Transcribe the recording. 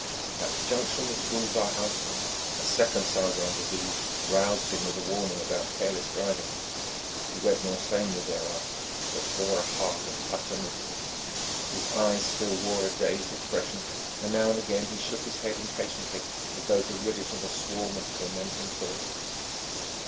At the junction with the boulevard Haussmann a second sergent de ville roused him with a warning about careless driving. He went more sanely thereafter, but bore a heart of utter misery; his eyes still wore a dazed expression, and now and again he shook his head impatiently as though to rid it of a swarm of tormenting thoughts.